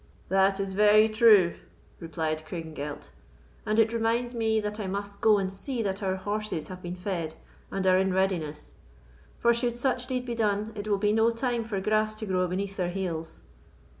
"That is very true," replied Craigengelt; "and it reminds me that I must go and see that our horses have been fed and are in readiness; for, should such deed be done, it will be no time for grass to grow beneath their heels."